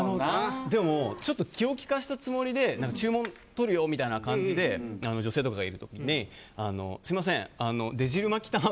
気を利かせたつもりで注文とるよみたいな感じで女性とかがいる時にすみません